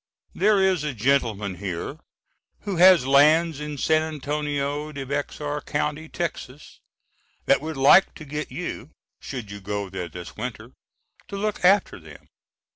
There is a gentleman here who has lands in San Antonio de Bexar County, Texas, that would like to get you, should you go there this winter, to look after them.